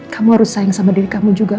kamu harus sayang sama diri kamu juga